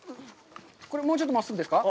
これもうちょっと真っすぐですか。